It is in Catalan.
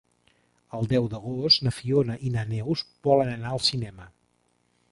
El deu d'agost na Fiona i na Neus volen anar al cinema.